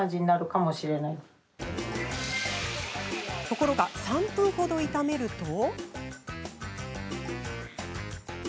ところが、３分ほど炒めると。